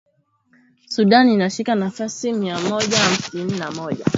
Sudan inashika nafasi ya mia moja hamsini na moja